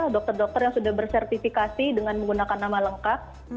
dokter dokter yang sudah bersertifikasi dengan menggunakan nama lengkap